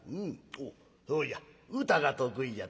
おおそうじゃ歌が得意じゃったな。